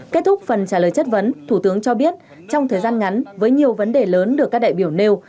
kết thúc phần trả lời chất vấn thủ tướng cho biết trong thời gian ngắn với nhiều vấn đề lớn được các đại biểu nêu